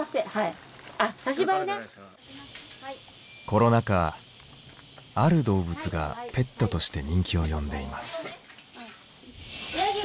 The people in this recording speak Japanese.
コロナ禍ある動物がペットとして人気を呼んでいます。